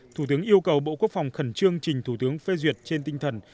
thủ tướng yêu cầu bộ quốc phòng khẩn trương trình thủ tướng phê duyệt trên tinh thần